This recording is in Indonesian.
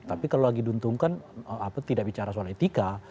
tapi kalau lagi diuntungkan tidak bicara soal etika